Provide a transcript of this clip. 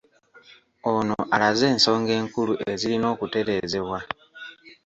Ono alaze ensonga enkulu ezirina okutereezebwa